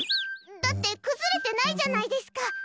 だって崩れてないじゃないですか。